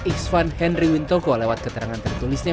iksan henry wintoko lewat keterangan tertulisnya